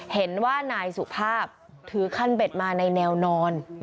เห็นว่านายสุภาพถือคันเบ็ดมาในแนวนอน